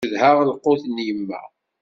Cedhaɣ lqut n yemma.